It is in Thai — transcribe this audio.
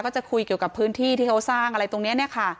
จะคุยเกี่ยวกับพื้นที่ที่เขาสร้างอะไรตรงนี้เนี่ยค่ะ